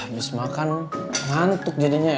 habis makan ngantuk jadinya ya